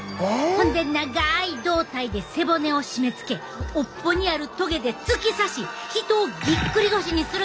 ほんで長い胴体で背骨を締めつけ尾っぽにあるトゲで突き刺し人をぎっくり腰にするんやて。